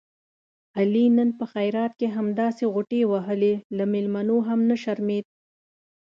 علي نن په خیرات کې همداسې غوټې وهلې، له مېلمنو هم نه شرمېدا.